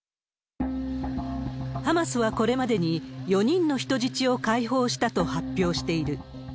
ハマスはこれまでに、４人の人質を解放したと発表している。